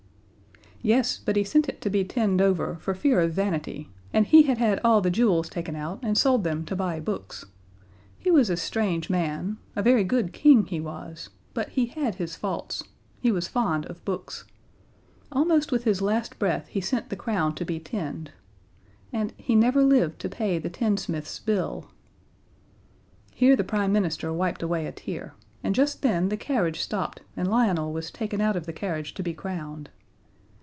"Yes, but he sent it to be tinned over, for fear of vanity, and he had had all the jewels taken out, and sold them to buy books. He was a strange man; a very good King he was, but he had his faults he was fond of books. Almost with his last breath he sent the crown to be tinned and he never lived to pay the tinsmith's bill." Here the Prime Minister wiped away a tear, and just then the carriage stopped and Lionel was taken out of the carriage to be crowned.